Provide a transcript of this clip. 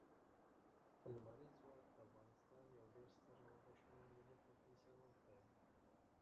لمریز ځواک د افغانستان یو ډېر ستر او ارزښتمن ملي طبعي ثروت دی.